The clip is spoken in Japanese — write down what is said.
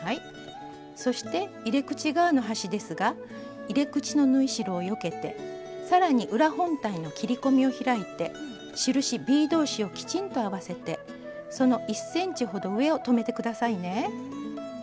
そして入れ口側の端ですが入れ口の縫い代をよけてさらに裏本体の切り込みを開いて印ｂ同士をきちんと合わせてその１ｃｍほど上を留めて下さいね。